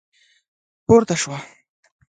پورته شوه.